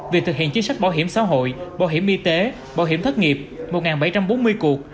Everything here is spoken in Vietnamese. việc thực hiện chính sách bảo hiểm xã hội bảo hiểm y tế bảo hiểm thất nghiệp một bảy trăm bốn mươi cuộc